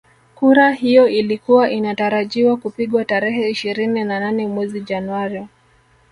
Kura hiyo ilikuwa inatarajiwa kupigwa tarehe ishirini na nane mwezi Januari